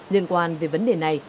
liên quan về vấn đề này